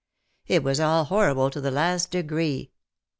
It was all horrible to the last degree.